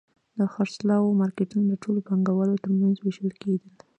د خرڅلاو مارکېټونه د ټولو پانګوالو ترمنځ وېشل کېدل